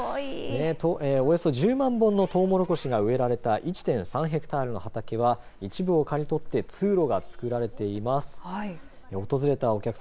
およそ１０万本のトウモロコシが植えられた１．３ヘクタールの畑は一部を刈り取って通路がつくられています。